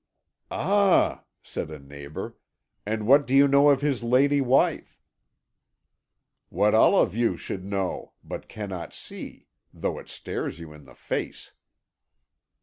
"Ah," said a neighbour, "and what do you know of his lady wife?" "What all of you should know, but cannot see, though it stares you in the face."